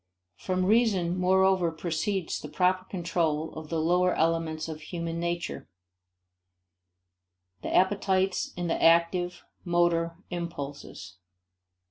From reason moreover proceeds the proper control of the lower elements of human nature the appetites and the active, motor, impulses.